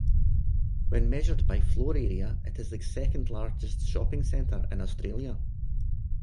When measured by floor area, it is the second largest shopping centre in Australia.